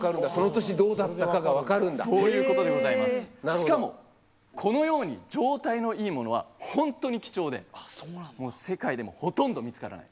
しかもこのように状態のいいものは本当に貴重で世界でもほとんど見つからない。